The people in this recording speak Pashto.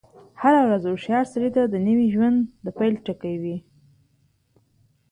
هره ورځ هوښیار سړي ته د نوی ژوند د پيل ټکی يي.